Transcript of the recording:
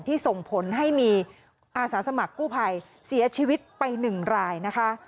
ส่งผลให้มีอาสาสมัครกู้ภัยเสียชีวิตไป๑รายนะคะ